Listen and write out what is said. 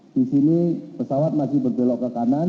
di sini pesawat masih berbelok ke kanan